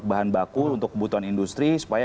bahan baku untuk kebutuhan industri supaya